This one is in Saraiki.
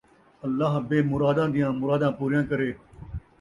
اللہ بے مُراداں دیاں مُراداں پوریاں کرے